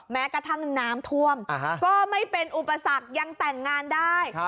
แม้กระทั่งน้ำท่วมก็ไม่เป็นอุปสรรคยังแต่งงานได้